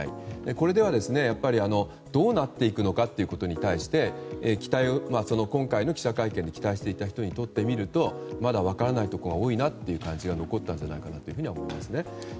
これでは、どうなっていくのかということに対して今回の記者会見で期待していた人にとって見るとまだ分からないところが多いなという感じが残ったと思います。